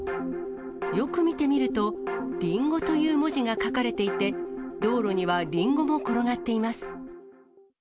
よく見てみると、りんごという文字が書かれていて、道路にはりんごも転がっています。